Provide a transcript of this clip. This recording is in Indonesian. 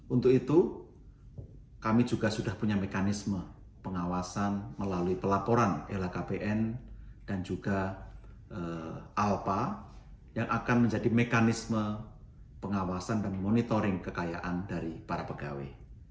untuk itu kami juga sudah punya mekanisme pengawasan melalui pelaporan lhkpn dan juga alpa yang akan menjadi mekanisme pengawasan dan monitoring kekayaan dari para pegawai